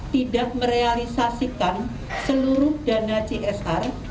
tidak merealisasikan seluruh dana csr